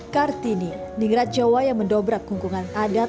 kartini ningrat jawa yang mendobrak kungkungan adat